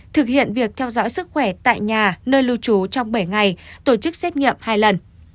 thực hiện việc theo dõi sức khỏe tại nhà nơi lưu trú trong bảy ngày tổ chức xét nghiệm hai lần